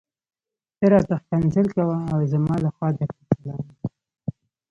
ته راته ښکنځل کوه او زما لخوا درته سلام دی.